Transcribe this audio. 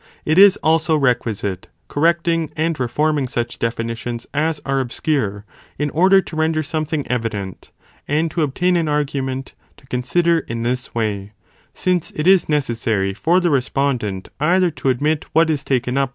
(It is also requisite) correcting and reforming such definitions as are obscure, in order to render something evident, and to obtain an argument, to consider in this way: since it is necessary for the respondent, either to admit what is taken up!